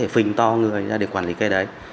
phình to người ra để quản lý cây đấy